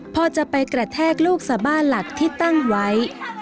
พอจะไปกระแทกลูกสะบ้าหลักที่ตั้งไว้